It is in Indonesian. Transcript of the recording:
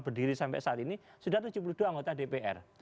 berdiri sampai saat ini sudah tujuh puluh dua anggota dpr